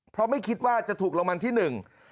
เพราะไม่คิดว่าจะถูกรางวัลที่หนึ่ง